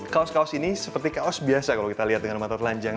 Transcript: kaos kaos ini seperti kaos biasa kalau kita lihat dengan mata telanjang